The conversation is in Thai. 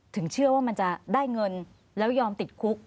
ถึงเชื่อว่ามันจะได้เงินแล้วยอมติดคุก